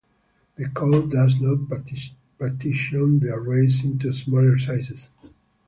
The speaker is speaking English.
The code does not partition the arrays into smaller sizes.